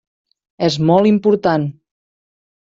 És molt important.